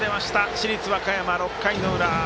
市立和歌山、６回の裏。